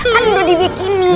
kan udah di bikinin